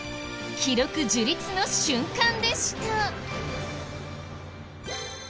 記録樹立の瞬間でした。